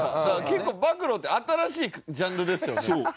結構暴露って新しいジャンルですよね。